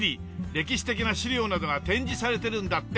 歴史的な資料などが展示されてるんだって。